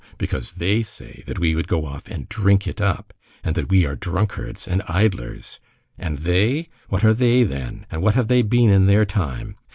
Because they say that we would go off and drink it up, and that we are drunkards and idlers! And they! What are they, then, and what have they been in their time!